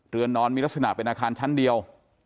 นอนมีลักษณะเป็นอาคารชั้นเดียว